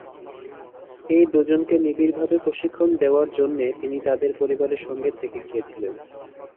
এই দুজনকে নিবিড়ভাবে প্রশিক্ষণ দেওয়ার জন্যে তিনি তাঁদের পরিবারের সঙ্গে থেকে গিয়েছিলেন।